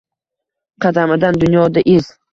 Qadamidan dunyoda iz.